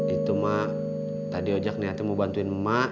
itu mak tadi ojak niatnya mau bantuin mak